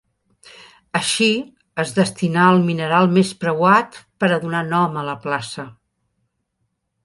Així, es destinà el mineral més preuat per a donar nom a la plaça.